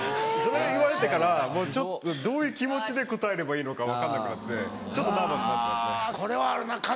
それ言われてからもうちょっとどういう気持ちで応えればいいのか分かんなくなってちょっとナーバスになってますね。